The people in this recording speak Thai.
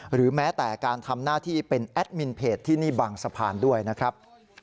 หรือแม้แต่การทำหน้าที่เป็นแอดมินเพจที่นี่บางสะพานด้วยนะครับ